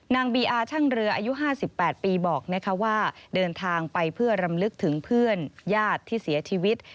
นางบีอาช่างเรืออายุ๕๘ปีบอกว่าเดินทางไปเพื่อรำลึกถึงเพื่อนญาติที่เสียชีวิต